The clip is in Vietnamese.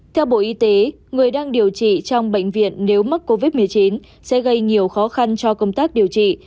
theo bộ y tế người đang điều trị trong bệnh viện nếu mắc covid một mươi chín sẽ gây nhiều khó khăn cho công tác điều trị